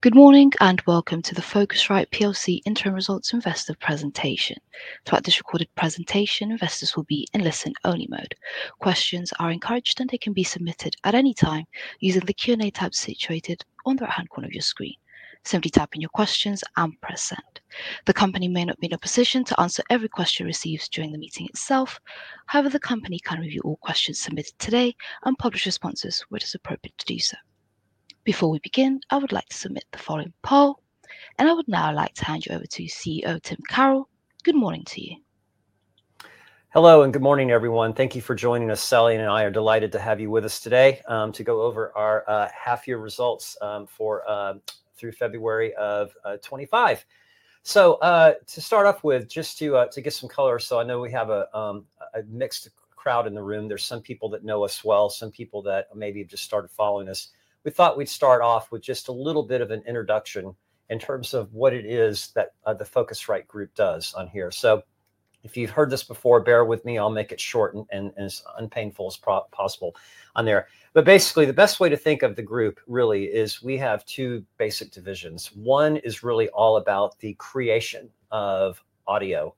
Good morning and welcome to the Focusrite Interim Results Investor presentation. Throughout this recorded presentation, investors will be in listen-only mode. Questions are encouraged, and they can be submitted at any time using the Q&A tab situated on the right-hand corner of your screen. Simply type in your questions and press send. The company may not be in a position to answer every question received during the meeting itself. However, the company can review all questions submitted today and publish responses where it is appropriate to do so. Before we begin, I would like to submit the following poll, and I would now like to hand you over to CEO Tim Carroll. Good morning to you. Hello and good morning, everyone. Thank you for joining us. Sally and I are delighted to have you with us today to go over our half-year results through February of 2025. To start off with, just to get some color, I know we have a mixed crowd in the room. There are some people that know us well, some people that maybe have just started following us. We thought we'd start off with just a little bit of an introduction in terms of what it is that the Focusrite Group does here. If you've heard this before, bear with me. I'll make it short and as unpainful as possible. Basically, the best way to think of the group really is we have two basic divisions. One is really all about the creation of audio,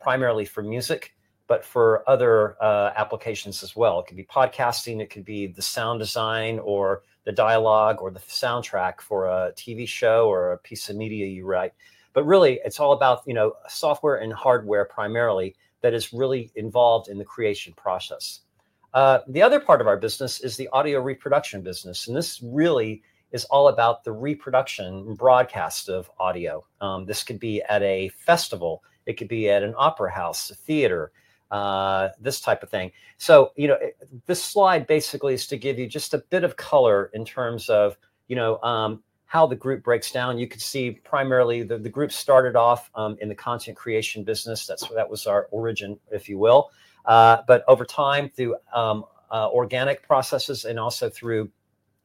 primarily for music, but for other applications as well. It could be podcasting, it could be the sound design or the dialogue or the soundtrack for a TV show or a piece of media you write. Really, it's all about software and hardware primarily that is really involved in the creation process. The other part of our business is the audio reproduction business, and this really is all about the reproduction and broadcast of audio. This could be at a festival, it could be at an opera house, a theater, this type of thing. This slide basically is to give you just a bit of color in terms of how the group breaks down. You can see primarily the group started off in the content creation business. That was our origin, if you will. Over time, through organic processes and also through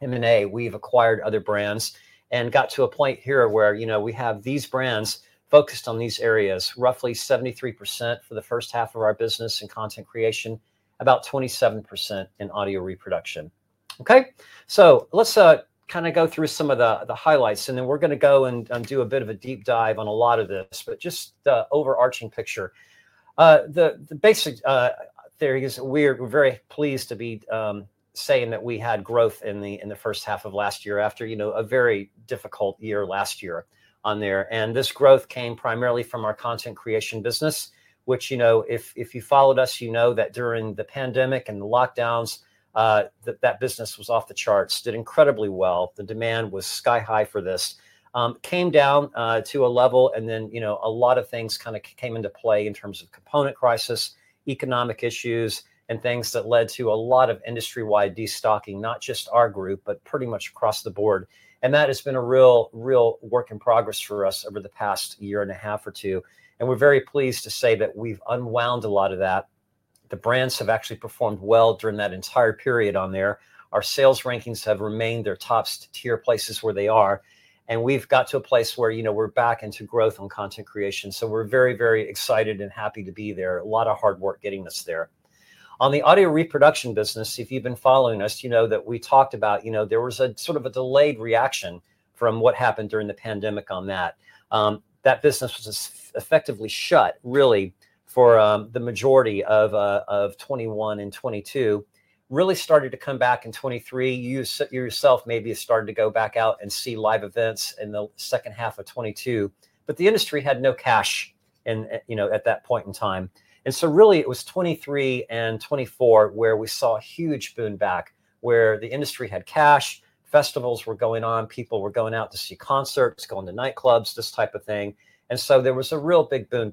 M&A, we've acquired other brands and got to a point here where we have these brands focused on these areas, roughly 73% for the first half of our business in content creation, about 27% in audio reproduction. Okay, let's kind of go through some of the highlights, and then we're going to go and do a bit of a deep dive on a lot of this, but just the overarching picture. The basic theory is we're very pleased to be saying that we had growth in the first half of last year after a very difficult year last year on there. This growth came primarily from our content creation business, which if you followed us, you know that during the pandemic and the lockdowns, that business was off the charts, did incredibly well. The demand was sky-high for this, came down to a level, and then a lot of things kind of came into play in terms of component crisis, economic issues, and things that led to a lot of industry-wide destocking, not just our group, but pretty much across the board. That has been a real work in progress for us over the past year and a half or two. We are very pleased to say that we have unwound a lot of that. The brands have actually performed well during that entire period on there. Our sales rankings have remained their top tier places where they are. We have got to a place where we are back into growth on content creation. We are very, very excited and happy to be there. A lot of hard work getting us there. On the audio reproduction business, if you've been following us, you know that we talked about there was a sort of a delayed reaction from what happened during the pandemic on that. That business was effectively shut, really, for the majority of 2021 and 2022. Really started to come back in 2023. You yourself maybe started to go back out and see live events in the second half of 2022, but the industry had no cash at that point in time. Really, it was 2023 and 2024 where we saw a huge boom back, where the industry had cash, festivals were going on, people were going out to see concerts, going to nightclubs, this type of thing. There was a real big boom.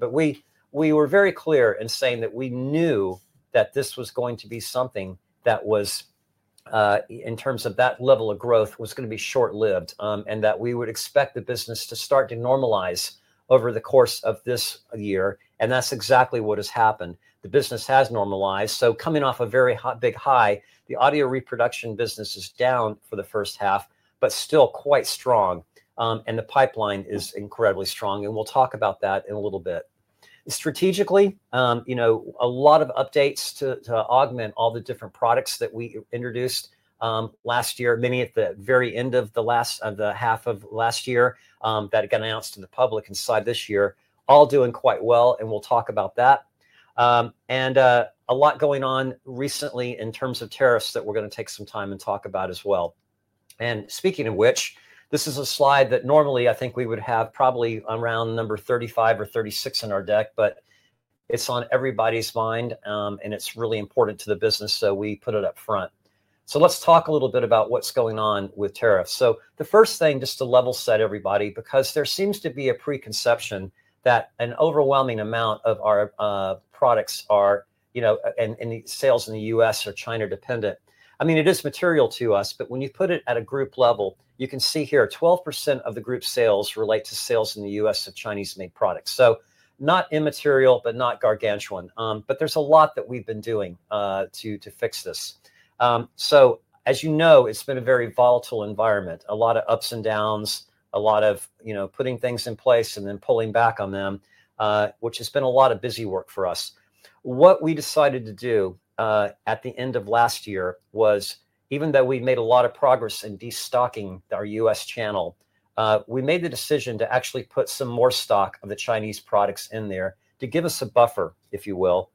We were very clear in saying that we knew that this was going to be something that was, in terms of that level of growth, going to be short-lived and that we would expect the business to start to normalize over the course of this year. That is exactly what has happened. The business has normalized. Coming off a very big high, the audio reproduction business is down for the first half, but still quite strong. The pipeline is incredibly strong. We will talk about that in a little bit. Strategically, a lot of updates to augment all the different products that we introduced last year, many at the very end of the half of last year that got announced to the public inside this year, all doing quite well. We will talk about that. A lot going on recently in terms of tariffs that we're going to take some time and talk about as well. Speaking of which, this is a slide that normally I think we would have probably around number 35 or 36 in our deck, but it's on everybody's mind and it's really important to the business, so we put it up front. Let's talk a little bit about what's going on with tariffs. The first thing, just to level set everybody, because there seems to be a preconception that an overwhelming amount of our products are and sales in the U.S. are China-dependent. I mean, it is material to us, but when you put it at a group level, you can see here 12% of the group sales relate to sales in the U.S. of Chinese-made products. Not immaterial, but not gargantuan. There is a lot that we have been doing to fix this. As you know, it has been a very volatile environment, a lot of ups and downs, a lot of putting things in place and then pulling back on them, which has been a lot of busy work for us. What we decided to do at the end of last year was, even though we have made a lot of progress in destocking our U.S. channel, we made the decision to actually put some more stock of the Chinese products in there to give us a buffer, if you will,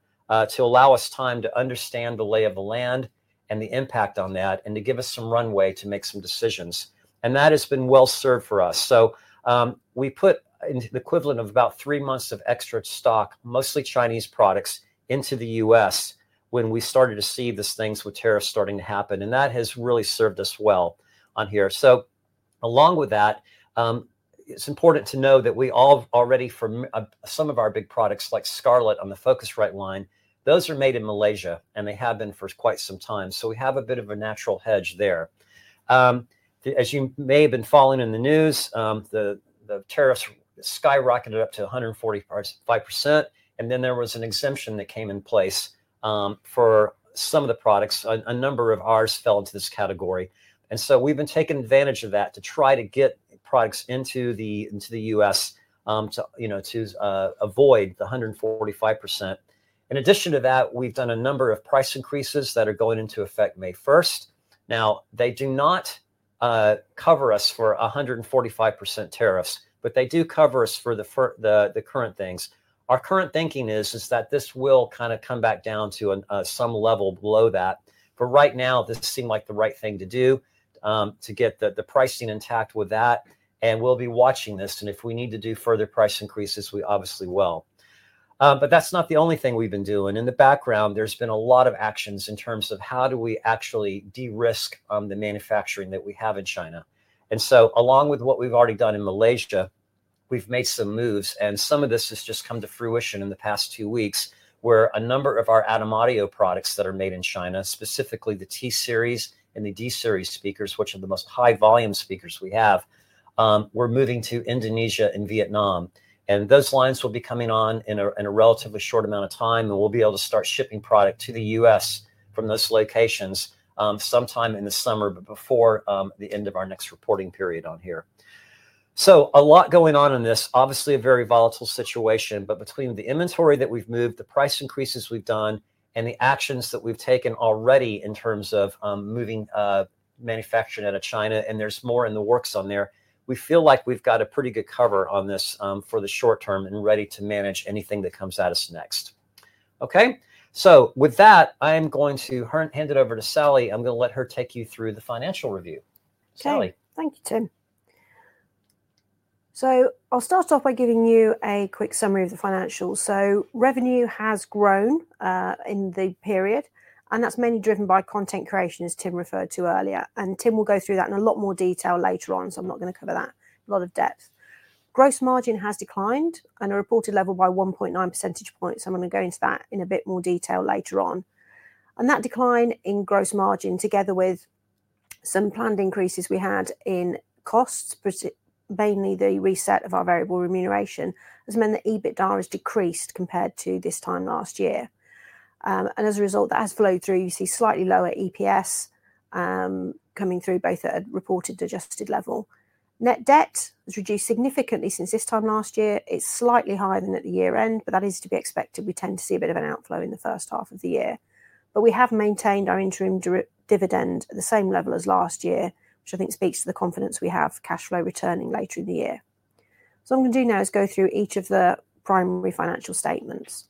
to allow us time to understand the lay of the land and the impact on that and to give us some runway to make some decisions. That has been well served for us. We put the equivalent of about three months of extra stock, mostly Chinese products, into the U.S. when we started to see these things with tariffs starting to happen. That has really served us well on here. Along with that, it's important to know that we already, for some of our big products like Scarlett on the Focusrite line, those are made in Malaysia and they have been for quite some time. We have a bit of a natural hedge there. As you may have been following in the news, the tariffs skyrocketed up to 145%, and then there was an exemption that came in place for some of the products. A number of ours fell into this category. We have been taking advantage of that to try to get products into the U.S. to avoid the 145%. In addition to that, we've done a number of price increases that are going into effect May 1. Now, they do not cover us for 145% tariffs, but they do cover us for the current things. Our current thinking is that this will kind of come back down to some level below that. Right now, this seemed like the right thing to do to get the pricing intact with that. We'll be watching this. If we need to do further price increases, we obviously will. That's not the only thing we've been doing. In the background, there's been a lot of actions in terms of how do we actually de-risk the manufacturing that we have in China. Along with what we've already done in Malaysia, we've made some moves. Some of this has just come to fruition in the past two weeks where a number of our ADAM Audio products that are made in China, specifically the T-Series and the D3V speakers, which are the most high-volume speakers we have, are moving to Indonesia and Vietnam. Those lines will be coming on in a relatively short amount of time. We will be able to start shipping product to the U.S. from those locations sometime in the summer, but before the end of our next reporting period on here. A lot going on in this, obviously a very volatile situation, but between the inventory that we've moved, the price increases we've done, and the actions that we've taken already in terms of moving manufacturing out of China, and there's more in the works on there, we feel like we've got a pretty good cover on this for the short term and ready to manage anything that comes at us next. Okay, with that, I am going to hand it over to Sally. I'm going to let her take you through the financial review. Sally. Okay, thank you, Tim. I'll start off by giving you a quick summary of the financials. Revenue has grown in the period, and that's mainly driven by content creation, as Tim referred to earlier. Tim will go through that in a lot more detail later on, so I'm not going to cover that in a lot of depth. Gross margin has declined at a reported level by 1.9 percentage points. I'm going to go into that in a bit more detail later on. That decline in gross margin, together with some planned increases we had in costs, mainly the reset of our variable remuneration, has meant that EBITDA has decreased compared to this time last year. As a result, that has flowed through. You see slightly lower EPS coming through both at a reported adjusted level. Net debt has reduced significantly since this time last year. It is slightly higher than at the year-end, but that is to be expected. We tend to see a bit of an outflow in the first half of the year. We have maintained our interim dividend at the same level as last year, which I think speaks to the confidence we have cash flow returning later in the year. What I am going to do now is go through each of the primary financial statements.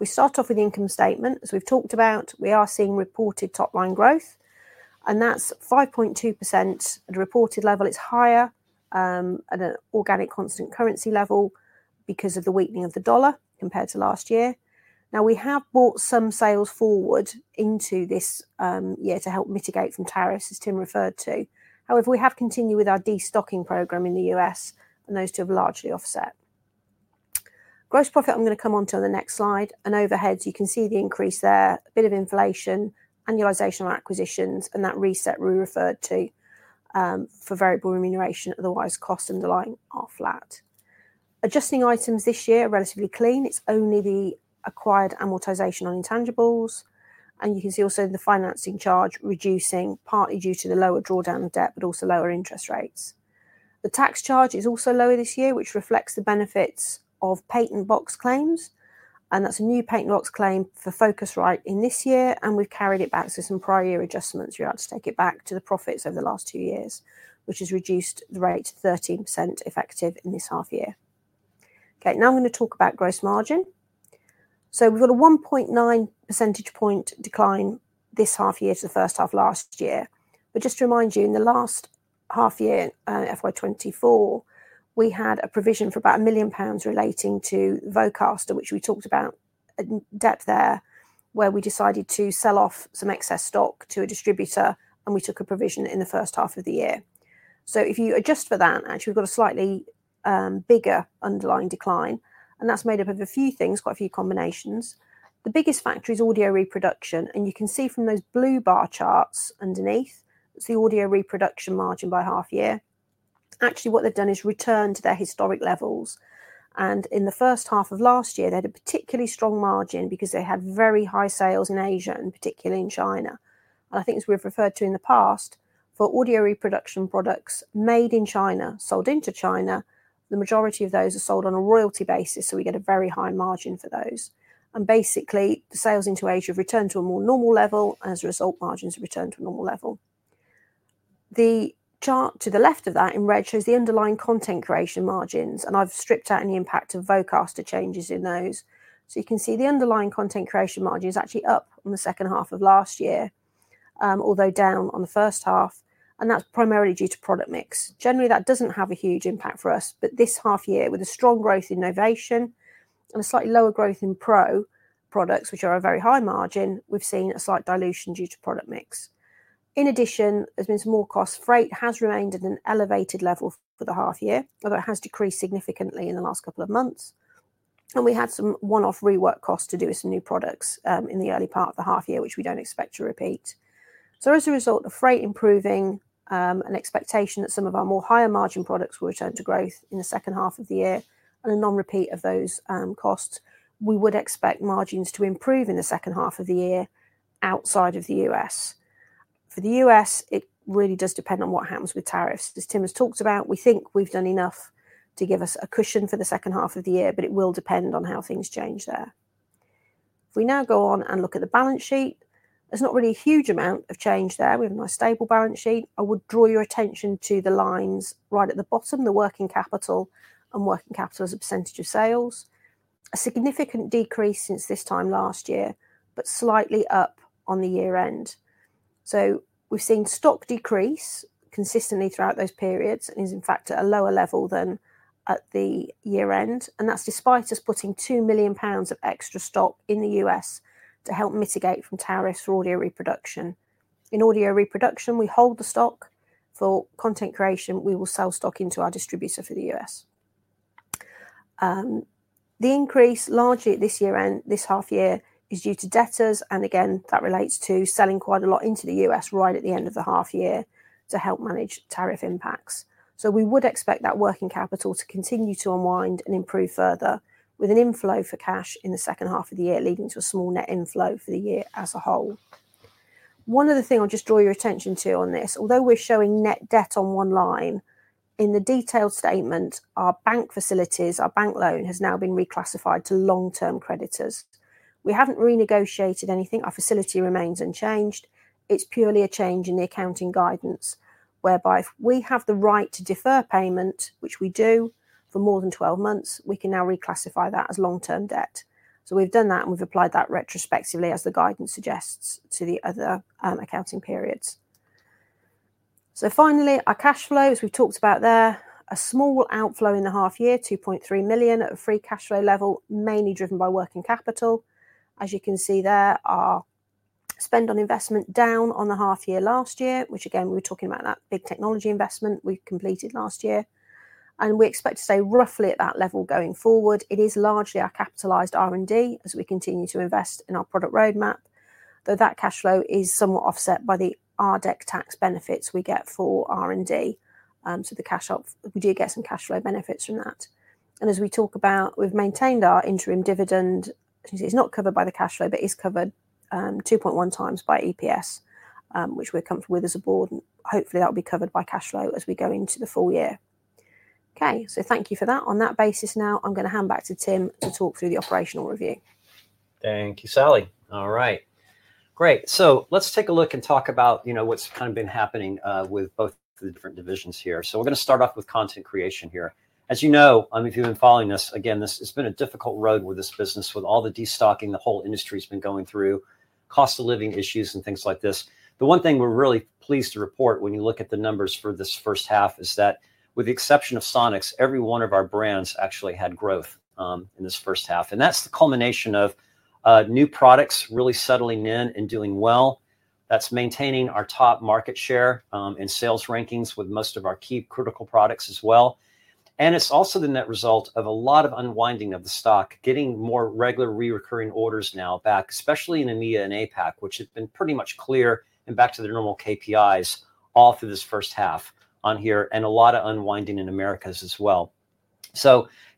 We start off with the income statement. As we have talked about, we are seeing reported top-line growth, and that is 5.2% at a reported level. It is higher at an organic constant currency level because of the weakening of the dollar compared to last year. We have brought some sales forward into this year to help mitigate from tariffs, as Tim referred to. However, we have continued with our destocking program in the U.S., and those two have largely offset. Gross profit, I'm going to come on to on the next slide. Overhead, you can see the increase there, a bit of inflation, annualization of acquisitions, and that reset we referred to for variable remuneration. Otherwise, costs underlying are flat. Adjusting items this year are relatively clean. It's only the acquired amortization on intangibles. You can see also the financing charge reducing partly due to the lower drawdown debt, but also lower interest rates. The tax charge is also lower this year, which reflects the benefits of Patent Box claims. That's a new Patent Box claim for Focusrite in this year. We have carried it back through some prior year adjustments. We're able to take it back to the profits over the last two years, which has reduced the rate to 13% effective in this half year. Okay, now I'm going to talk about gross margin. We've got a 1.9 percentage point decline this half year to the first half last year. Just to remind you, in the last half year of FY2024, we had a provision for about 1 million pounds relating to Vocaster, which we talked about in depth there, where we decided to sell off some excess stock to a distributor, and we took a provision in the first half of the year. If you adjust for that, actually, we've got a slightly bigger underlying decline. That's made up of a few things, quite a few combinations. The biggest factor is audio reproduction. You can see from those blue bar charts underneath, it's the audio reproduction margin by half year. Actually, what they've done is returned to their historic levels. In the first half of last year, they had a particularly strong margin because they had very high sales in Asia, and particularly in China. I think as we've referred to in the past, for audio reproduction products made in China, sold into China, the majority of those are sold on a royalty basis. We get a very high margin for those. Basically, the sales into Asia have returned to a more normal level. As a result, margins have returned to a normal level. The chart to the left of that in red shows the underlying content creation margins. I've stripped out any impact of Vocaster changes in those. You can see the underlying content creation margin is actually up in the second half of last year, although down on the first half. That is primarily due to product mix. Generally, that does not have a huge impact for us. This half year, with strong growth in innovation and a slightly lower growth in pro products, which are very high margin, we have seen a slight dilution due to product mix. In addition, there have been some more costs. Freight has remained at an elevated level for the half year, although it has decreased significantly in the last couple of months. We had some one-off rework costs to do with some new products in the early part of the half year, which we do not expect to repeat. As a result, the freight improving and expectation that some of our more higher margin products will return to growth in the second half of the year and a non-repeat of those costs, we would expect margins to improve in the second half of the year outside of the U.S. For the U.S., it really does depend on what happens with tariffs, as Tim has talked about. We think we've done enough to give us a cushion for the second half of the year, but it will depend on how things change there. If we now go on and look at the balance sheet, there's not really a huge amount of change there. We have a nice stable balance sheet. I would draw your attention to the lines right at the bottom, the working capital and working capital as a percentage of sales. A significant decrease since this time last year, but slightly up on the year-end. We have seen stock decrease consistently throughout those periods and it is in fact at a lower level than at the year-end. That is despite us putting 2 million pounds of extra stock in the U.S. to help mitigate from tariffs for audio reproduction. In audio reproduction, we hold the stock. For content creation, we will sell stock into our distributor for the U.S. The increase largely at this year-end, this half year, is due to debtors. Again, that relates to selling quite a lot into the U.S. right at the end of the half year to help manage tariff impacts. We would expect that working capital to continue to unwind and improve further with an inflow for cash in the second half of the year, leading to a small net inflow for the year as a whole. One other thing I'll just draw your attention to on this, although we're showing net debt on one line, in the detailed statement, our bank facilities, our bank loan has now been reclassified to long-term creditors. We haven't renegotiated anything. Our facility remains unchanged. It's purely a change in the accounting guidance whereby if we have the right to defer payment, which we do for more than 12 months, we can now reclassify that as long-term debt. We have done that and we have applied that retrospectively as the guidance suggests to the other accounting periods. Finally, our cash flow, as we've talked about there, a small outflow in the half year, 2.3 million at a free cash flow level, mainly driven by working capital. As you can see there, our spend on investment down on the half year last year, which again, we were talking about that big technology investment we completed last year. We expect to stay roughly at that level going forward. It is largely our capitalized R&D as we continue to invest in our product roadmap, though that cash flow is somewhat offset by the RDEC tax benefits we get for R&D. The cash up, we do get some cash flow benefits from that. As we talk about, we've maintained our interim dividend. It's not covered by the cash flow, but it's covered 2.1 times by EPS, which we're comfortable with as a board. Hopefully, that will be covered by cash flow as we go into the full year. Okay, thank you for that. On that basis, now I'm going to hand back to Tim to talk through the operational review. Thank you, Sally. All right, great. Let's take a look and talk about what's kind of been happening with both the different divisions here. We're going to start off with content creation here. As you know, if you've been following us, again, it's been a difficult road with this business with all the destocking the whole industry has been going through, cost of living issues and things like this. The one thing we're really pleased to report when you look at the numbers for this first half is that with the exception of Sonox, every one of our brands actually had growth in this first half. That's the culmination of new products really settling in and doing well. That's maintaining our top market share and sales rankings with most of our key critical products as well. It is also the net result of a lot of unwinding of the stock, getting more regular reoccurring orders now back, especially in EMEA and APAC, which have been pretty much clear and back to their normal KPIs all through this first half on here and a lot of unwinding in America as well.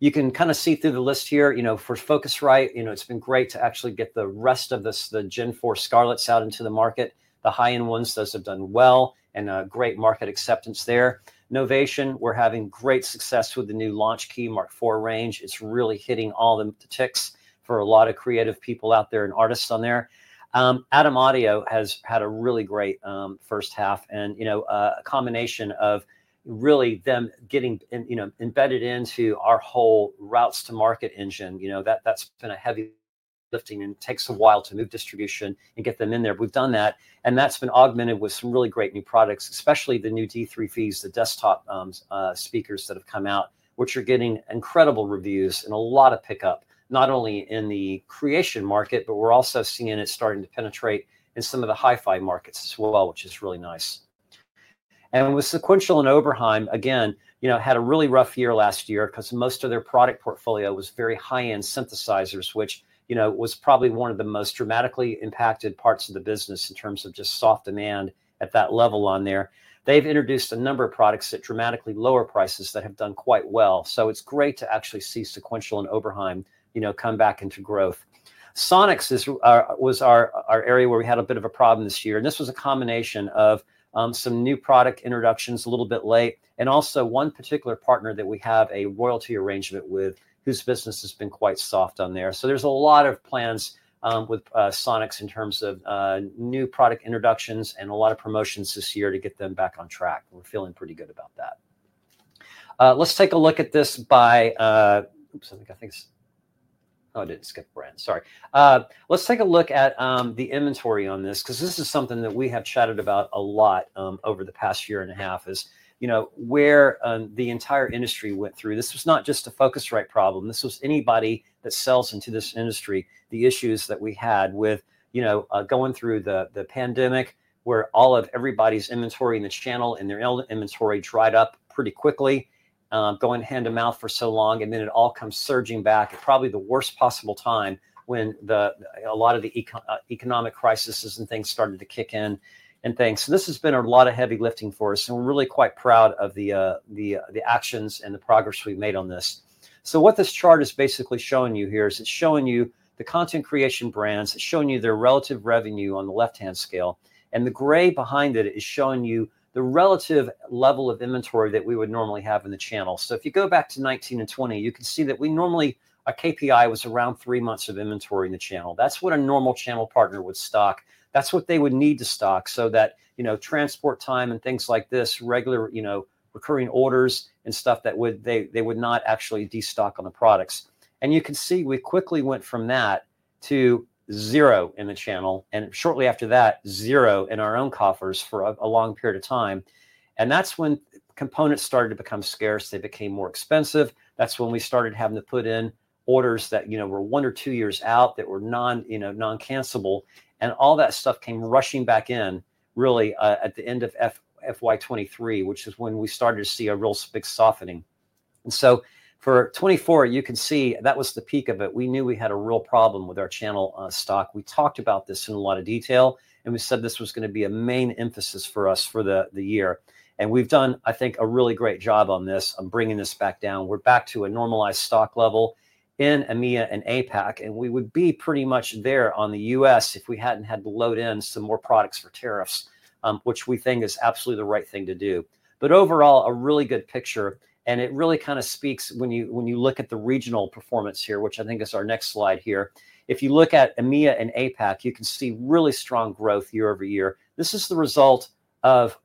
You can kind of see through the list here. For Focusrite, it has been great to actually get the rest of the Scarlett Gen 4s out into the market. The high-end ones, those have done well and a great market acceptance there. Novation, we are having great success with the new Launchkey Mk4 range. It is really hitting all the ticks for a lot of creative people out there and artists on there. ADAM Audio has had a really great first half and a combination of really them getting embedded into our whole routes to market engine. That has been a heavy lifting and it takes a while to move distribution and get them in there. We have done that. That has been augmented with some really great new products, especially the new D3V, the desktop speakers that have come out, which are getting incredible reviews and a lot of pickup, not only in the creation market, but we are also seeing it starting to penetrate in some of the hi-fi markets as well, which is really nice. With Sequential and Oberheim, again, had a really rough year last year because most of their product portfolio was very high-end synthesizers, which was probably one of the most dramatically impacted parts of the business in terms of just soft demand at that level on there. They've introduced a number of products at dramatically lower prices that have done quite well. It's great to actually see Sequential and Oberheim come back into growth. Sonox was our area where we had a bit of a problem this year. This was a combination of some new product introductions a little bit late and also one particular partner that we have a royalty arrangement with whose business has been quite soft on there. There's a lot of plans with Sonox in terms of new product introductions and a lot of promotions this year to get them back on track. We're feeling pretty good about that. Let's take a look at this by, oops, I think it's, oh, I didn't skip a brand. Sorry. Let's take a look at the inventory on this because this is something that we have chatted about a lot over the past year and a half is where the entire industry went through. This was not just a Focusrite problem. This was anybody that sells into this industry, the issues that we had with going through the pandemic where all of everybody's inventory in the channel and their inventory dried up pretty quickly, going hand to mouth for so long, and then it all comes surging back at probably the worst possible time when a lot of the economic crises and things started to kick in and things. This has been a lot of heavy lifting for us. We're really quite proud of the actions and the progress we've made on this. What this chart is basically showing you here is it's showing you the content creation brands. It's showing you their relative revenue on the left-hand scale. The gray behind it is showing you the relative level of inventory that we would normally have in the channel. If you go back to 2019 and 2020, you can see that we normally our KPI was around three months of inventory in the channel. That's what a normal channel partner would stock. That's what they would need to stock so that transport time and things like this, regular recurring orders and stuff that they would not actually destock on the products. You can see we quickly went from that to zero in the channel and shortly after that, zero in our own coffers for a long period of time. That's when components started to become scarce. They became more expensive. That's when we started having to put in orders that were one or two years out that were non-cancelable. All that stuff came rushing back in really at the end of 2023, which is when we started to see a real big softening. For 2024, you can see that was the peak of it. We knew we had a real problem with our channel stock. We talked about this in a lot of detail. We said this was going to be a main emphasis for us for the year. We've done, I think, a really great job on this and bringing this back down. We're back to a normalized stock level in EMEA and APAC. We would be pretty much there on the US if we had not had to load in some more products for tariffs, which we think is absolutely the right thing to do. Overall, a really good picture. It really kind of speaks when you look at the regional performance here, which I think is our next slide here. If you look at EMEA and APAC, you can see really strong growth year over year. This is the result of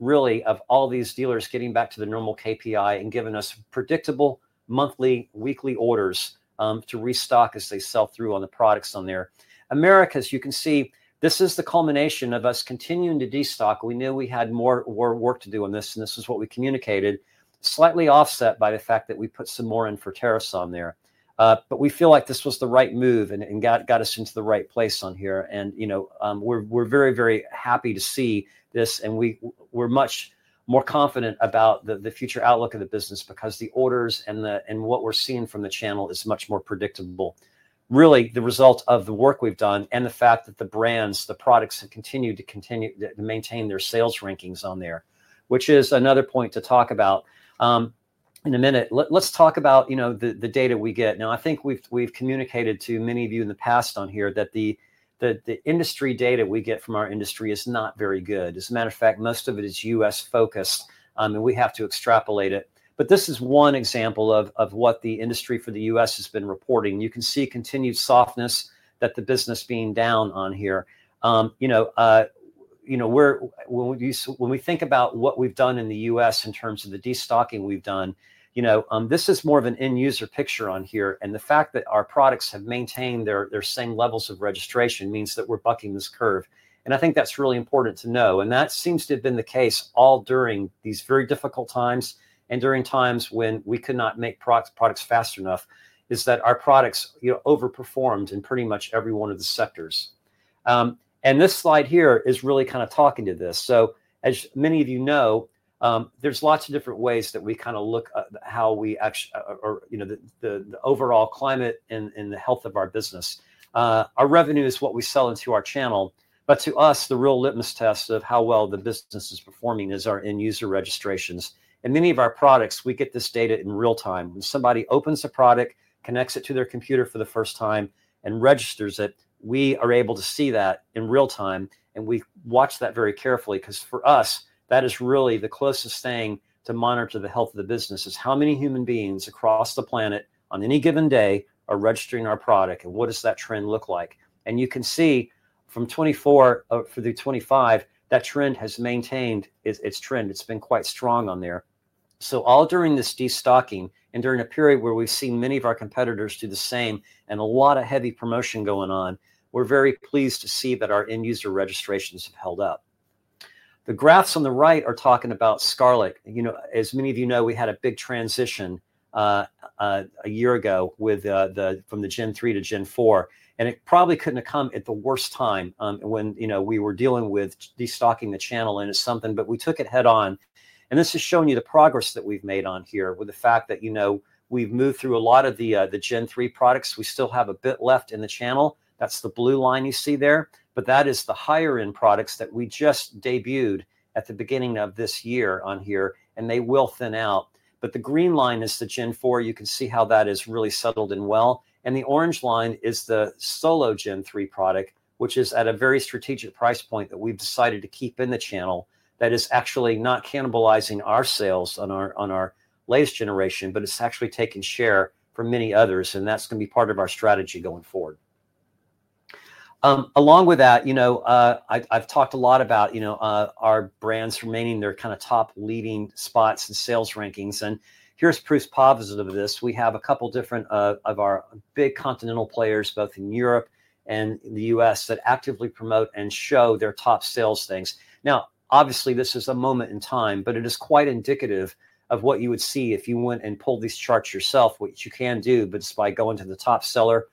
all these dealers getting back to the normal KPI and giving us predictable monthly, weekly orders to restock as they sell through on the products on there. Americas, you can see this is the culmination of us continuing to destock. We knew we had more work to do on this. This is what we communicated, slightly offset by the fact that we put some more in for tariffs on there. We feel like this was the right move and got us into the right place on here. We are very, very happy to see this. We are much more confident about the future outlook of the business because the orders and what we are seeing from the channel is much more predictable, really the result of the work we have done and the fact that the brands, the products have continued to maintain their sales rankings on there, which is another point to talk about in a minute. Let's talk about the data we get. I think we have communicated to many of you in the past on here that the industry data we get from our industry is not very good. As a matter of fact, most of it is US-focused. We have to extrapolate it. This is one example of what the industry for the US has been reporting. You can see continued softness, that the business being down on here. When we think about what we've done in the US in terms of the destocking we've done, this is more of an end-user picture on here. The fact that our products have maintained their same levels of registration means that we're bucking this curve. I think that's really important to know. That seems to have been the case all during these very difficult times and during times when we could not make products fast enough, is that our products overperformed in pretty much every one of the sectors. This slide here is really kind of talking to this. As many of you know, there's lots of different ways that we kind of look at how we actually or the overall climate and the health of our business. Our revenue is what we sell into our channel. To us, the real litmus test of how well the business is performing is our end-user registrations. Many of our products, we get this data in real time. When somebody opens a product, connects it to their computer for the first time, and registers it, we are able to see that in real time. We watch that very carefully because for us, that is really the closest thing to monitor the health of the business, is how many human beings across the planet on any given day are registering our product and what does that trend look like. You can see from 2024 through 2025, that trend has maintained its trend. It's been quite strong on there. All during this destocking and during a period where we've seen many of our competitors do the same and a lot of heavy promotion going on, we're very pleased to see that our end-user registrations have held up. The graphs on the right are talking about Scarlett. As many of you know, we had a big transition a year ago from the Gen 3-Gen 4. It probably couldn't have come at the worst time when we were dealing with destocking the channel and it's something, but we took it head-on. This is showing you the progress that we've made on here with the fact that we've moved through a lot of the Gen 3 products. We still have a bit left in the channel. That's the blue line you see there. That is the higher-end products that we just debuted at the beginning of this year on here. They will thin out. The green line is the Gen 4. You can see how that is really settled in well. The orange line is the Solo Gen 3 product, which is at a very strategic price point that we've decided to keep in the channel that is actually not cannibalizing our sales on our latest generation, but it's actually taking share for many others. That is going to be part of our strategy going forward. Along with that, I've talked a lot about our brands remaining their kind of top leading spots and sales rankings. Here's proof positive of this. We have a couple different of our big continental players, both in Europe and in the U.S., that actively promote and show their top sales things. Now, obviously, this is a moment in time, but it is quite indicative of what you would see if you went and pulled these charts yourself, which you can do, but it's by going to the top seller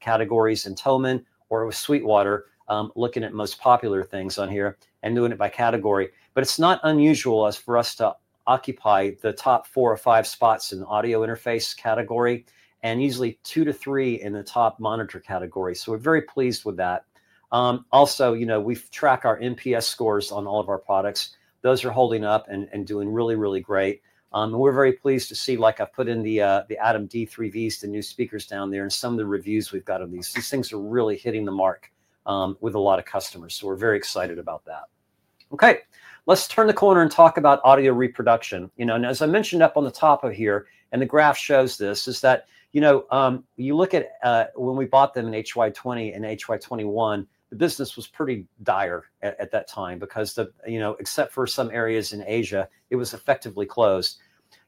categories in Thomann or Sweetwater, looking at most popular things on here and doing it by category. It's not unusual for us to occupy the top four or five spots in the audio interface category and usually two to three in the top monitor category. We are very pleased with that. Also, we track our NPS scores on all of our products. Those are holding up and doing really, really great. We are very pleased to see, like I have put in the ADAM D3Vs, the new speakers down there and some of the reviews we have got on these. These things are really hitting the mark with a lot of customers. We are very excited about that. Okay, let us turn the corner and talk about audio reproduction. As I mentioned up on the top of here, and the graph shows this, you look at when we bought them in 2020 and 2021, the business was pretty dire at that time because except for some areas in Asia, it was effectively closed.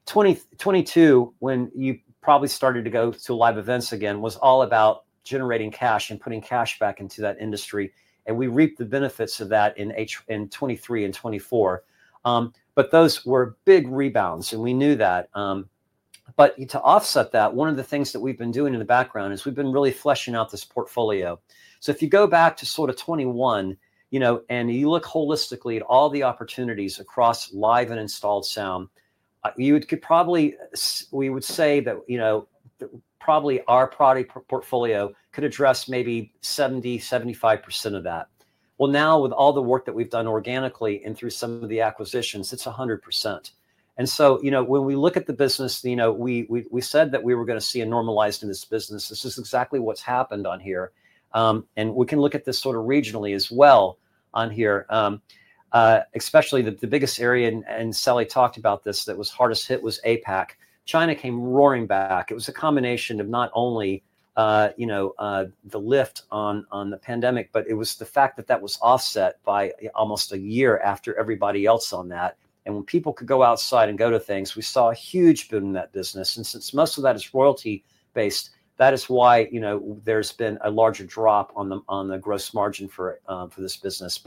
In 2022, when you probably started to go to live events again, it was all about generating cash and putting cash back into that industry. We reaped the benefits of that in 2023 and 2024. Those were big rebounds. We knew that. To offset that, one of the things that we've been doing in the background is we've been really fleshing out this portfolio. If you go back to sort of 2021 and you look holistically at all the opportunities across live and installed sound, we would say that probably our product portfolio could address maybe 70-75% of that. Now with all the work that we've done organically and through some of the acquisitions, it's 100%. When we look at the business, we said that we were going to see a normalized in this business. This is exactly what's happened on here. We can look at this sort of regionally as well on here, especially the biggest area. Sally talked about this that was hardest hit was APAC. China came roaring back. It was a combination of not only the lift on the pandemic, but it was the fact that that was offset by almost a year after everybody else on that. When people could go outside and go to things, we saw a huge boom in that business. Since most of that is royalty-based, that is why there's been a larger drop on the gross margin for this business.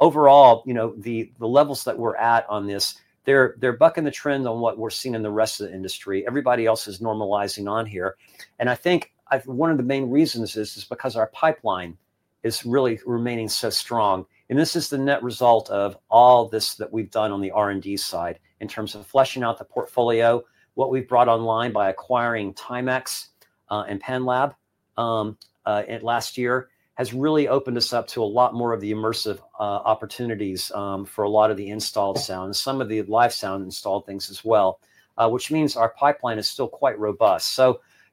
Overall, the levels that we're at on this, they're bucking the trend on what we're seeing in the rest of the industry. Everybody else is normalizing on here. I think one of the main reasons is because our pipeline is really remaining so strong. This is the net result of all this that we've done on the R&D side in terms of fleshing out the portfolio. What we've brought online by acquiring Timex and Panlab last year has really opened us up to a lot more of the immersive opportunities for a lot of the installed sound and some of the live sound installed things as well, which means our pipeline is still quite robust.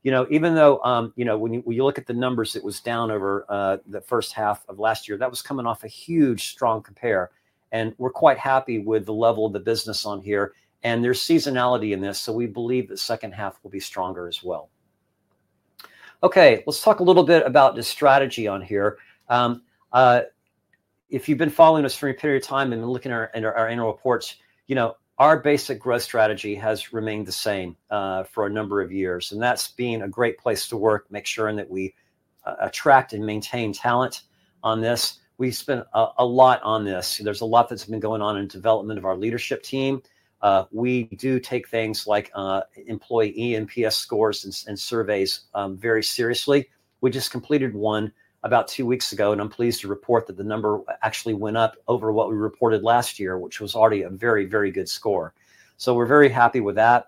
Even though when you look at the numbers, it was down over the first half of last year, that was coming off a huge strong compare. We're quite happy with the level of the business on here. There's seasonality in this. We believe the second half will be stronger as well. Okay, let's talk a little bit about the strategy on here. If you've been following us for a period of time and looking at our annual reports, our basic growth strategy has remained the same for a number of years. That's been a great place to work, make sure that we attract and maintain talent on this. We spent a lot on this. There's a lot that's been going on in development of our leadership team. We do take things like employee NPS scores and surveys very seriously. We just completed one about two weeks ago. I'm pleased to report that the number actually went up over what we reported last year, which was already a very, very good score. We're very happy with that.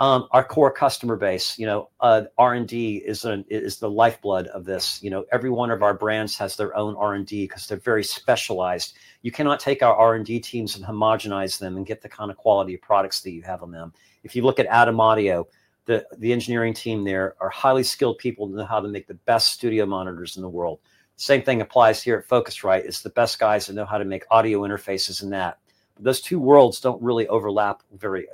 Our core customer base, R&D is the lifeblood of this. Every one of our brands has their own R&D because they're very specialized. You cannot take our R&D teams and homogenize them and get the kind of quality of products that you have on them. If you look at ADAM Audio, the engineering team there are highly skilled people who know how to make the best studio monitors in the world. Same thing applies here at Focusrite. It's the best guys who know how to make audio interfaces in that. Those two worlds don't really overlap very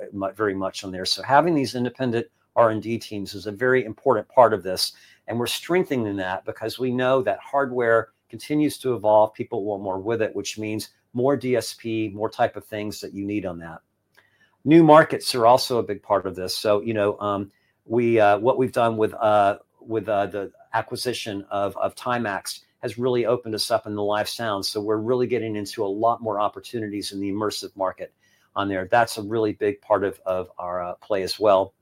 much on there. Having these independent R&D teams is a very important part of this. We are strengthening that because we know that hardware continues to evolve. People want more with it, which means more DSP, more type of things that you need on that. New markets are also a big part of this. What we have done with the acquisition of Timex has really opened us up in the live sound. We are really getting into a lot more opportunities in the immersive market on there. That is a really big part of our play as well.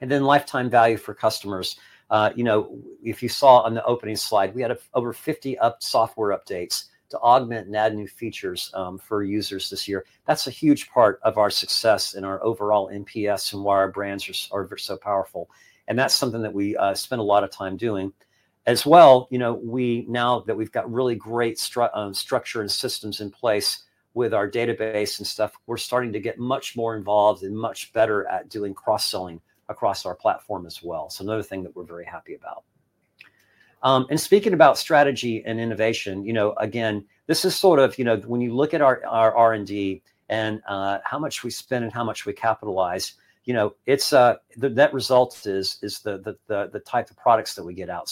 Then lifetime value for customers. If you saw on the opening slide, we had over 50 software updates to augment and add new features for users this year. That is a huge part of our success and our overall NPS and why our brands are so powerful. That is something that we spend a lot of time doing. Now that we have really great structure and systems in place with our database and stuff, we are starting to get much more involved and much better at doing cross-selling across our platform as well. Another thing that we are very happy about. Speaking about strategy and innovation, again, this is sort of when you look at our R&D and how much we spend and how much we capitalize, that result is the type of products that we get out.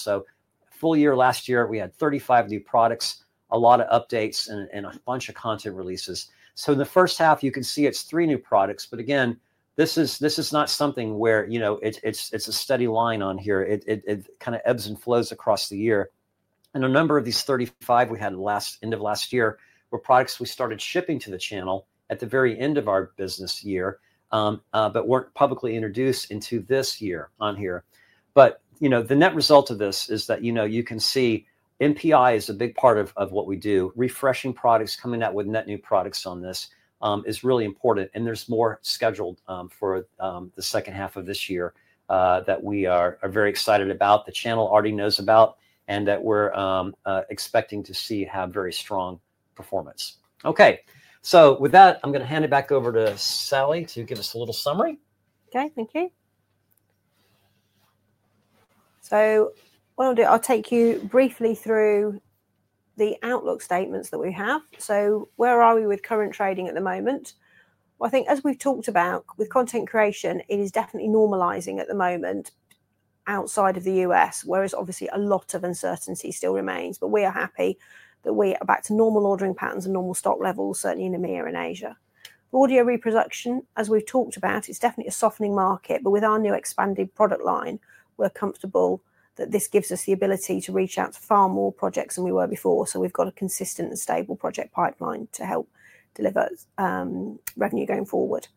Full year last year, we had 35 new products, a lot of updates, and a bunch of content releases. In the first half, you can see it's three new products. Again, this is not something where it's a steady line on here. It kind of ebbs and flows across the year. A number of these 35 we had at the end of last year were products we started shipping to the channel at the very end of our business year, but were not publicly introduced into this year on here. The net result of this is that you can see NPI is a big part of what we do. Refreshing products, coming out with net new products on this is really important. There is more scheduled for the second half of this year that we are very excited about, the channel already knows about, and that we are expecting to see have very strong performance. Okay, with that, I am going to hand it back over to Sally to give us a little summary. Okay, thank you. I will take you briefly through the outlook statements that we have. Where are we with current trading at the moment? I think as we have talked about with content creation, it is definitely normalizing at the moment outside of the U.S., whereas obviously a lot of uncertainty still remains. We are happy that we are back to normal ordering patterns and normal stock levels, certainly in EMEA and Asia. Audio reproduction, as we have talked about, is definitely a softening market. With our new expanded product line, we're comfortable that this gives us the ability to reach out to far more projects than we were before. We've got a consistent and stable project pipeline to help deliver revenue going forward.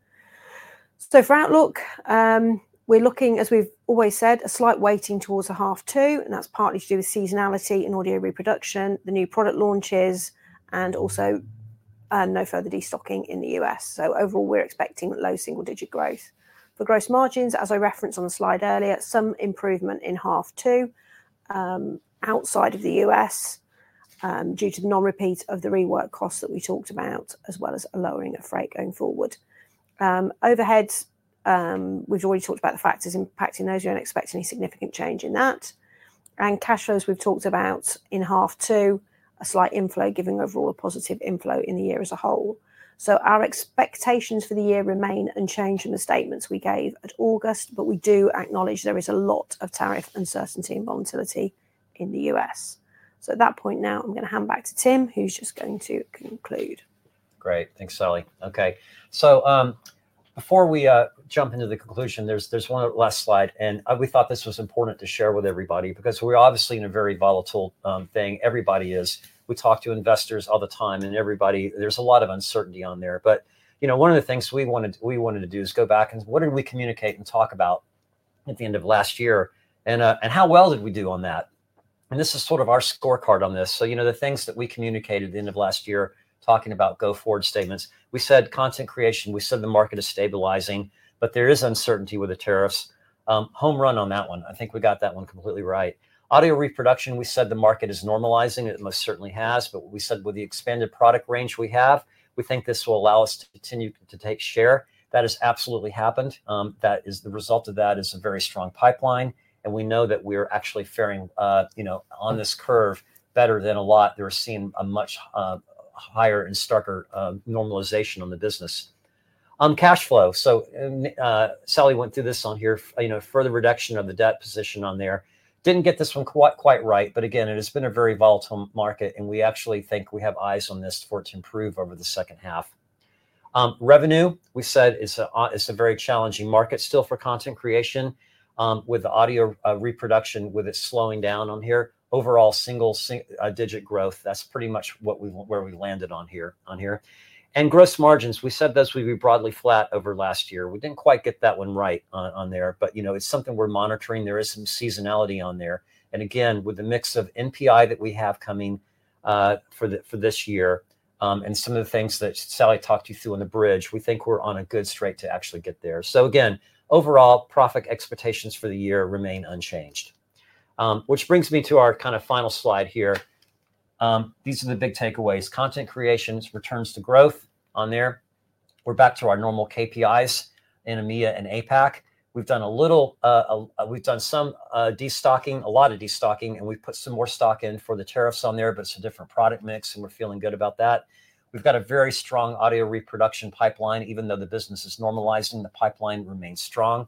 For outlook, we're looking, as we've always said, at a slight weighting towards the half two. That's partly to do with seasonality in audio reproduction, the new product launches, and also no further destocking in the U.S. Overall, we're expecting low single-digit growth. For gross margins, as I referenced on the slide earlier, some improvement in half two outside of the U.S. due to the non-repeat of the rework costs that we talked about, as well as a lowering of freight going forward. Overhead, we've already talked about the factors impacting those. We don't expect any significant change in that. Cash flows, we've talked about in half two, a slight inflow giving overall a positive inflow in the year as a whole. Our expectations for the year remain unchanged from the statements we gave at August, but we do acknowledge there is a lot of tariff uncertainty and volatility in the U.S. At that point now, I'm going to hand back to Tim, who's just going to conclude. Great. Thanks, Sally. Okay, before we jump into the conclusion, there's one last slide. We thought this was important to share with everybody because we're obviously in a very volatile thing. Everybody is. We talk to investors all the time. There's a lot of uncertainty on there. One of the things we wanted to do is go back and what did we communicate and talk about at the end of last year? How well did we do on that? This is sort of our scorecard on this. The things that we communicated at the end of last year talking about go forward statements, we said content creation, we said the market is stabilizing, but there is uncertainty with the tariffs. Home run on that one. I think we got that one completely right. Audio reproduction, we said the market is normalizing. It most certainly has. We said with the expanded product range we have, we think this will allow us to continue to take share. That has absolutely happened. The result of that is a very strong pipeline. We know that we are actually faring on this curve better than a lot. They are seeing a much higher and starker normalization on the business. Cash flow. Sally went through this on here. Further reduction of the debt position on there. Did not get this one quite right. Again, it has been a very volatile market. We actually think we have eyes on this for it to improve over the second half. Revenue, we said, is a very challenging market still for content creation with audio reproduction with it slowing down on here. Overall single-digit growth, that is pretty much where we landed on here. Gross margins, we said those would be broadly flat over last year. We did not quite get that one right on there. It is something we are monitoring. There is some seasonality on there. Again, with the mix of NPI that we have coming for this year and some of the things that Sally talked you through on the bridge, we think we are on a good straight to actually get there. Again, overall, profit expectations for the year remain unchanged, which brings me to our kind of final slide here. These are the big takeaways. Content creations, returns to growth on there. We're back to our normal KPIs in EMEA and APAC. We've done a little, we've done some destocking, a lot of destocking, and we've put some more stock in for the tariffs on there, but it's a different product mix. We're feeling good about that. We've got a very strong audio reproduction pipeline, even though the business is normalizing, the pipeline remains strong.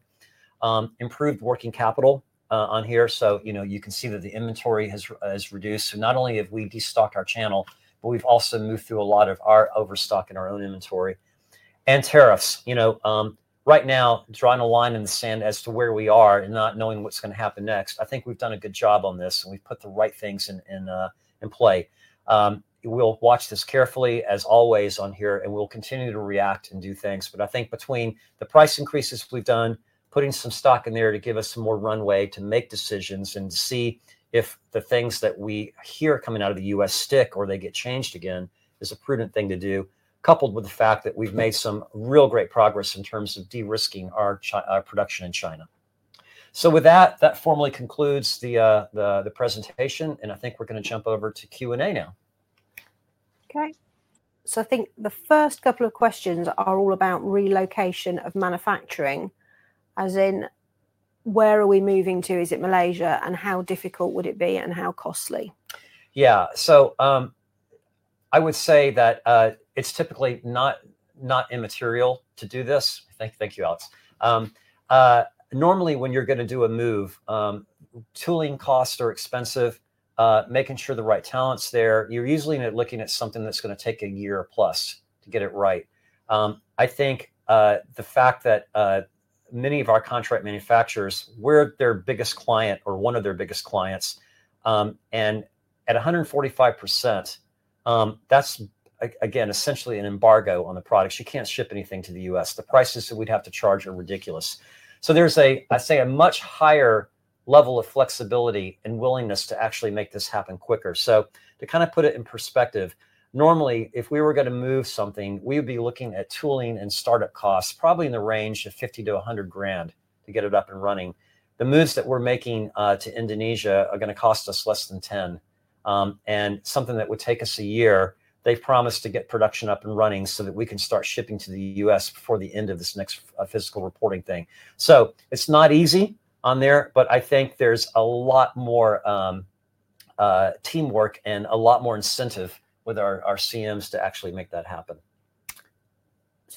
Improved working capital on here. You can see that the inventory has reduced. Not only have we destocked our channel, but we've also moved through a lot of our overstock and our own inventory. And tariffs. Right now, drawing a line in the sand as to where we are and not knowing what's going to happen next, I think we've done a good job on this. We've put the right things in play. We'll watch this carefully, as always, on here. We'll continue to react and do things. I think between the price increases we've done, putting some stock in there to give us some more runway to make decisions and to see if the things that we hear coming out of the U.S. stick or they get changed again is a prudent thing to do, coupled with the fact that we've made some real great progress in terms of de-risking our production in China. That formally concludes the presentation. I think we're going to jump over to Q&A now. Okay. I think the first couple of questions are all about relocation of manufacturing, as in where are we moving to? Is it Malaysia? And how difficult would it be? And how costly? Yeah. I would say that it's typically not immaterial to do this. Thank you, Alex. Normally, when you're going to do a move, tooling costs are expensive. Making sure the right talent's there, you're usually looking at something that's going to take a year plus to get it right. I think the fact that many of our contract manufacturers, we're their biggest client or one of their biggest clients. At 145%, that's, again, essentially an embargo on the products. You can't ship anything to the U.S. The prices that we'd have to charge are ridiculous. There's, I say, a much higher level of flexibility and willingness to actually make this happen quicker. To kind of put it in perspective, normally, if we were going to move something, we would be looking at tooling and startup costs, probably in the range of $50,000-$100,000 to get it up and running. The moves that we're making to Indonesia are going to cost us less than $10,000. And something that would take us a year, they've promised to get production up and running so that we can start shipping to the U.S. before the end of this next fiscal reporting thing. It's not easy on there. I think there's a lot more teamwork and a lot more incentive with our CMs to actually make that happen.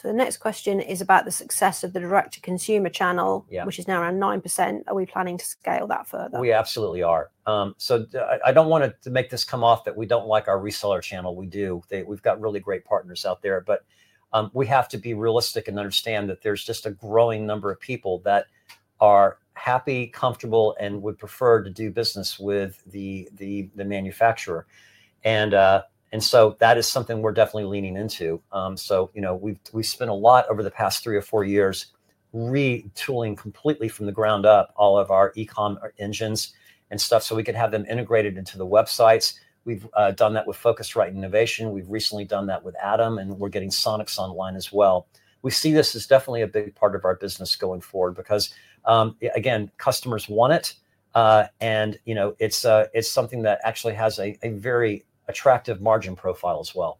The next question is about the success of the direct-to-consumer channel, which is now around 9%. Are we planning to scale that further? We absolutely are. I do not want to make this come off that we do not like our reseller channel. We do. We have really great partners out there. We have to be realistic and understand that there is just a growing number of people that are happy, comfortable, and would prefer to do business with the manufacturer. That is something we are definitely leaning into. We have spent a lot over the past three or four years retooling completely from the ground up all of our e-comm engines and stuff so we could have them integrated into the websites. We have done that with Focusrite Novation. We have recently done that with ADAM. We are getting Sonox online as well. We see this as definitely a big part of our business going forward because, again, customers want it. It is something that actually has a very attractive margin profile as well.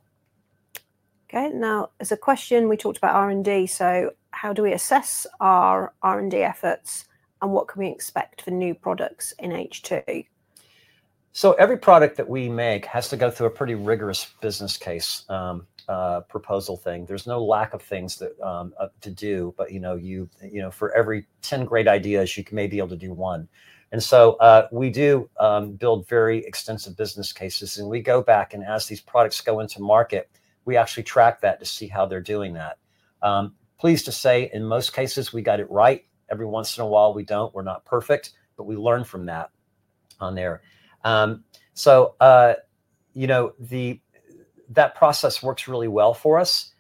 Okay. Now, as a question, we talked about R&D. How do we assess our R&D efforts? What can we expect for new products in H2? Every product that we make has to go through a pretty rigorous business case proposal thing. There's no lack of things to do. For every 10 great ideas, you may be able to do one. We do build very extensive business cases. We go back and as these products go into market, we actually track that to see how they're doing that. Pleased to say, in most cases, we got it right. Every once in a while, we don't. We're not perfect. We learn from that on there. That process works really well for us.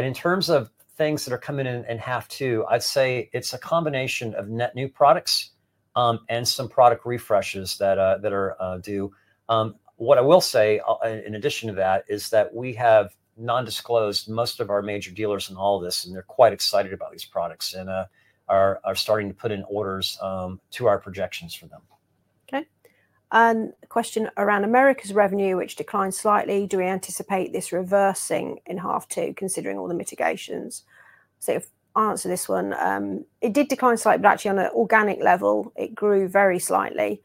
In terms of things that are coming in in half two, I'd say it's a combination of net new products and some product refreshes that are due. What I will say in addition to that is that we have non-disclosed most of our major dealers in all of this. They are quite excited about these products and are starting to put in orders to our projections for them. Okay. A question around Americas revenue, which declined slightly. Do we anticipate this reversing in half two considering all the mitigations? I'll answer this one. It did decline slightly, but actually on an organic level, it grew very slightly.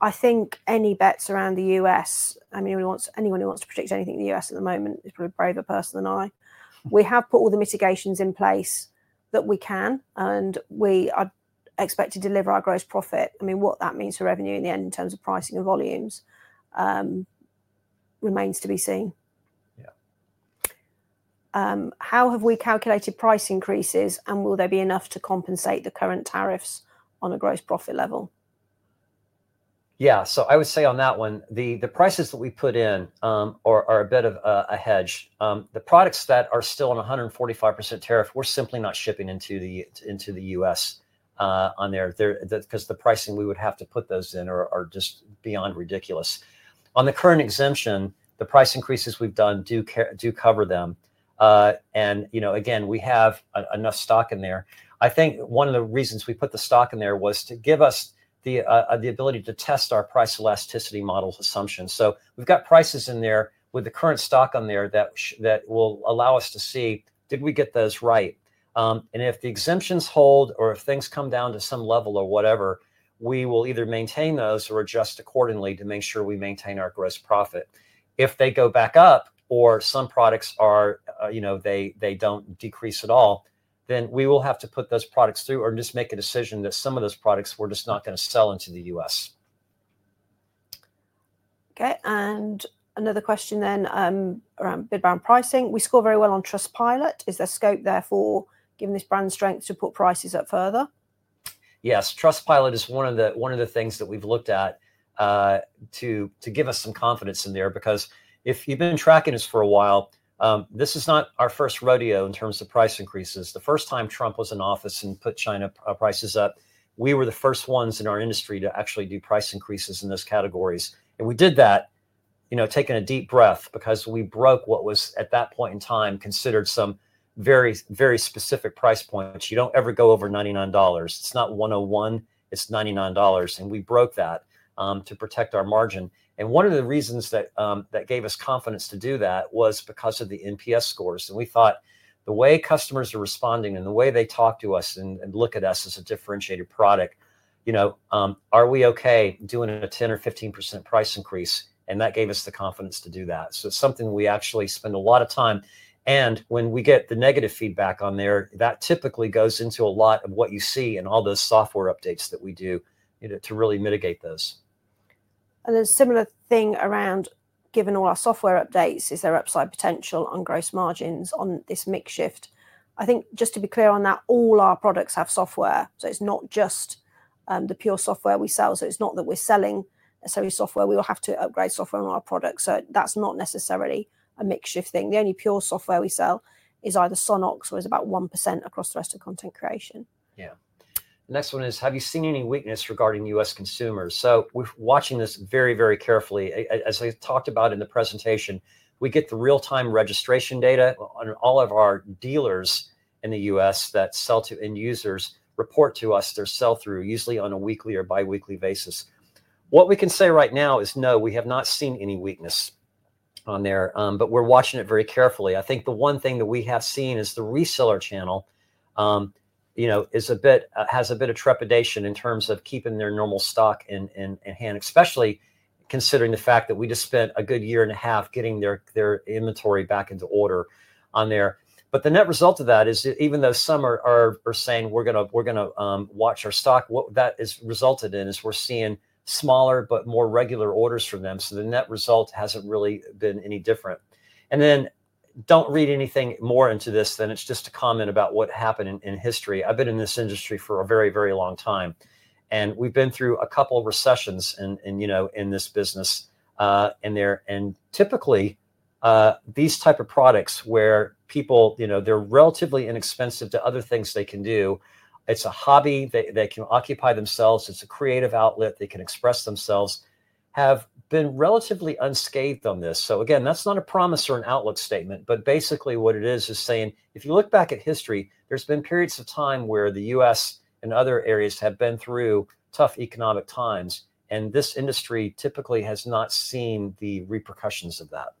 I think any bets around the U.S., I mean, anyone who wants to predict anything in the U.S. at the moment is probably a braver person than I. We have put all the mitigations in place that we can. We expect to deliver our gross profit. I mean, what that means for revenue in the end in terms of pricing and volumes remains to be seen. Yeah. How have we calculated price increases? Will there be enough to compensate the current tariffs on a gross profit level? Yeah. I would say on that one, the prices that we put in are a bit of a hedge. The products that are still on 145% tariff, we're simply not shipping into the U.S. on there because the pricing we would have to put those in are just beyond ridiculous. On the current exemption, the price increases we've done do cover them. Again, we have enough stock in there. I think one of the reasons we put the stock in there was to give us the ability to test our price elasticity models assumptions. We have got prices in there with the current stock on there that will allow us to see did we get those right? If the exemptions hold or if things come down to some level or whatever, we will either maintain those or adjust accordingly to make sure we maintain our gross profit. If they go back up or some products do not decrease at all, then we will have to put those products through or just make a decision that some of those products we are just not going to sell into the U.S. Okay. Another question then around pricing. We score very well on Trustpilot. Is there scope there for, given this brand strength, to put prices up further? Yes. Trustpilot is one of the things that we've looked at to give us some confidence in there because if you've been tracking us for a while, this is not our first rodeo in terms of price increases. The first time Trump was in office and put China prices up, we were the first ones in our industry to actually do price increases in those categories. We did that taking a deep breath because we broke what was, at that point in time, considered some very, very specific price points. You don't ever go over $99. It's not $101. It's $99. We broke that to protect our margin. One of the reasons that gave us confidence to do that was because of the NPS scores. We thought the way customers are responding and the way they talk to us and look at us as a differentiated product, are we okay doing a 10% or 15% price increase? That gave us the confidence to do that. It is something we actually spend a lot of time. When we get the negative feedback on there, that typically goes into a lot of what you see in all those software updates that we do to really mitigate those. A similar thing around, given all our software updates, is there upside potential on gross margins on this mix shift? I think just to be clear on that, all our products have software. It is not just the pure software we sell. It is not that we are selling necessarily software. We will have to upgrade software on our products. That's not necessarily a mix shift thing. The only pure software we sell is either Sonox, where it's about 1% across the rest of content creation. Yeah. The next one is, have you seen any weakness regarding U.S. consumers? We're watching this very, very carefully. As I talked about in the presentation, we get the real-time registration data on all of our dealers in the U.S. that sell to end users report to us their sell-through usually on a weekly or biweekly basis. What we can say right now is, no, we have not seen any weakness on there. We're watching it very carefully. I think the one thing that we have seen is the reseller channel has a bit of trepidation in terms of keeping their normal stock in hand, especially considering the fact that we just spent a good year and a half getting their inventory back into order on there. The net result of that is, even though some are saying, "We're going to watch our stock," what that has resulted in is we're seeing smaller but more regular orders from them. The net result hasn't really been any different. Do not read anything more into this than it's just a comment about what happened in history. I've been in this industry for a very, very long time. We've been through a couple of recessions in this business in there. Typically, these types of products where people, they're relatively inexpensive to other things they can do, it's a hobby. They can occupy themselves. It's a creative outlet. They can express themselves, have been relatively unscathed on this. That is not a promise or an outlook statement. Basically, what it is, is saying, if you look back at history, there have been periods of time where the U.S. and other areas have been through tough economic times. This industry typically has not seen the repercussions of that.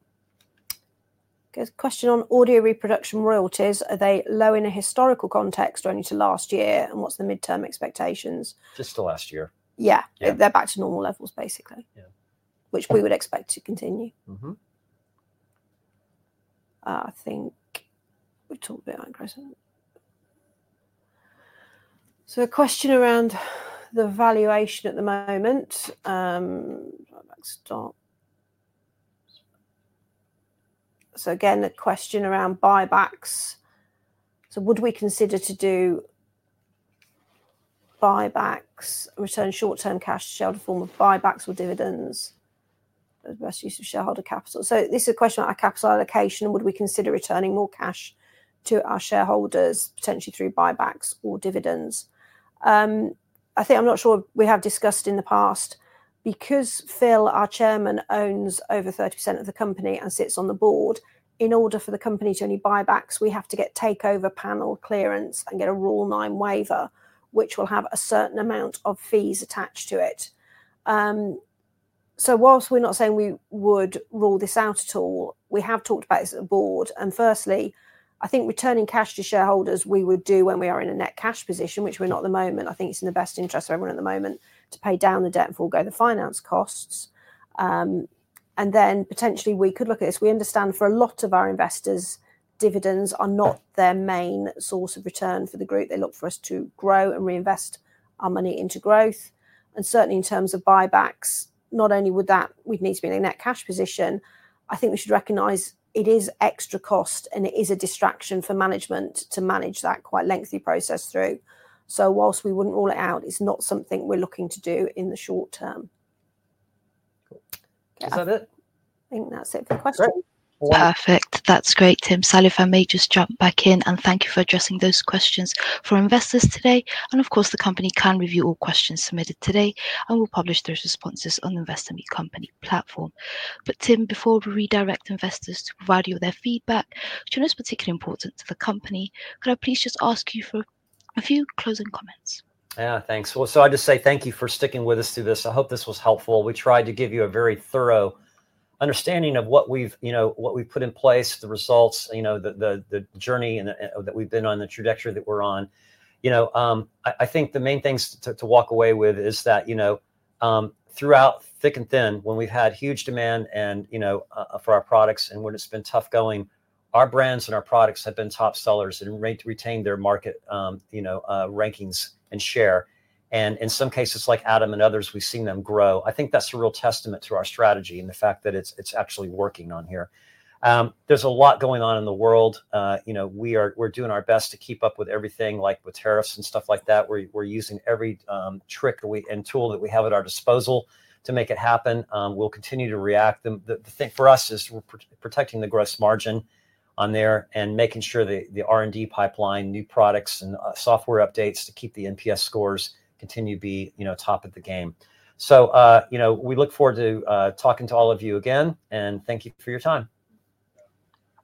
Okay. Question on audio reproduction royalties. Are they low in a historical context or only to last year? And what's the midterm expectations? Just to last year. Yeah. They're back to normal levels, basically, which we would expect to continue. I think we talked a bit about gross. A question around the valuation at the moment. Again, a question around buybacks. Would we consider to do buybacks, return short-term cash to shareholder form of buybacks or dividends as best use of shareholder capital? This is a question about our capital allocation. Would we consider returning more cash to our shareholders, potentially through buybacks or dividends? I think I'm not sure we have discussed in the past. Because Phil, our Chairman, owns over 30% of the company and sits on the board, in order for the company to do buybacks, we have to get Takeover Panel clearance and get a Rule 9 waiver, which will have a certain amount of fees attached to it. Whilst we're not saying we would rule this out at all, we have talked about this at the board. Firstly, I think returning cash to shareholders, we would do when we are in a net cash position, which we're not at the moment. I think it's in the best interest for everyone at the moment to pay down the debt and forgo the finance costs. Potentially, we could look at this. We understand for a lot of our investors, dividends are not their main source of return for the group. They look for us to grow and reinvest our money into growth. Certainly, in terms of buybacks, not only would that need to be in a net cash position, I think we should recognize it is extra cost and it is a distraction for management to manage that quite lengthy process through. Whilst we wouldn't rule it out, it's not something we're looking to do in the short term. Is that it? I think that's it for the question. Perfect. That's great, Tim. Sally, if I may just jump back in and thank you for addressing those questions for investors today. Of course, the company can review all questions submitted today and will publish those responses on the Investor Meet Company platform. Tim, before we redirect investors to provide you with their feedback, which is particularly important to the company, could I please just ask you for a few closing comments? Yeah. Thanks. I just say thank you for sticking with us through this. I hope this was helpful. We tried to give you a very thorough understanding of what we've put in place, the results, the journey that we've been on, the trajectory that we're on. I think the main things to walk away with is that throughout thick and thin, when we've had huge demand for our products and when it's been tough going, our brands and our products have been top sellers and retained their market rankings and share. In some cases, like ADAM and others, we've seen them grow. I think that's a real testament to our strategy and the fact that it's actually working on here. There's a lot going on in the world. We're doing our best to keep up with everything, like with tariffs and stuff like that. We're using every trick and tool that we have at our disposal to make it happen. We'll continue to react. The thing for us is protecting the gross margin on there and making sure the R&D pipeline, new products, and software updates to keep the NPS scores continue to be top of the game. We look forward to talking to all of you again. Thank you for your time.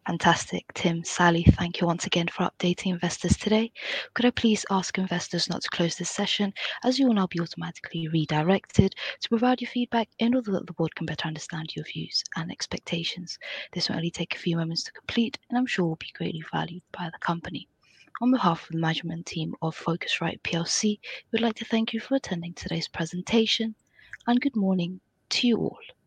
Fantastic. Tim, Sally, thank you once again for updating investors today. Could I please ask investors not to close this session as you will now be automatically redirected to provide your feedback in order that the board can better understand your views and expectations? This will only take a few moments to complete, and I'm sure will be greatly valued by the company. On behalf of the management team of Focusrite, we'd like to thank you for attending today's presentation. Good morning to you all.